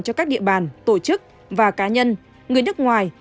cho các địa bàn tổ chức và cá nhân người nước ngoài